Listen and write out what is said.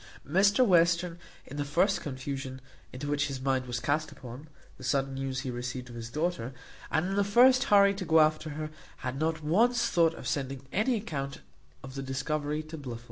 Mr Western, in the first confusion into which his mind was cast upon the sudden news he received of his daughter, and in the first hurry to go after her, had not once thought of sending any account of the discovery to Blifil.